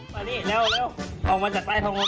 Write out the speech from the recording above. มานี่เร็วออกมาจากใต้ทางบน